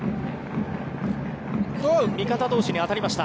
味方同士に当たりました。